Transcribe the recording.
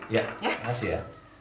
ya makasih ya